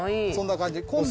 そんな感じ。